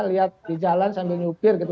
lihat di jalan sambil nyupir gitu